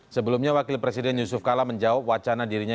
sebelumnya wakil presiden yusuf kala menjawab wacana dirinya